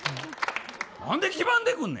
なんで黄ばんでくるねん。